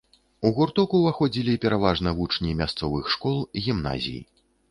У гурток уваходзілі пераважна вучні мясцовых школ, гімназій.